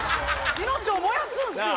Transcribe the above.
命を燃やすんすよ！